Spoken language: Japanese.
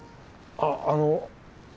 あっあの